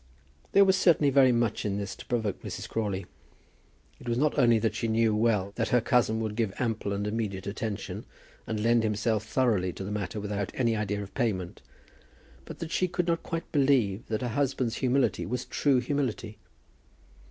There was certainly very much in this to provoke Mrs. Crawley. It was not only that she knew well that her cousin would give ample and immediate attention, and lend himself thoroughly to the matter without any idea of payment, but that she could not quite believe that her husband's humility was true humility.